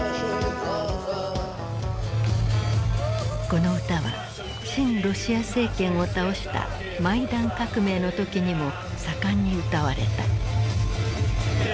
この歌は親ロシア政権を倒したマイダン革命の時にも盛んに歌われた。